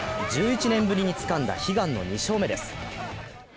１１年ぶりにつかんだ悲願の２勝目です。